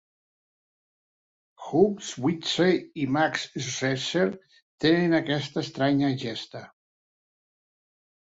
Hooks Wiltse i Max Scherzer tenen aquesta estranya gesta.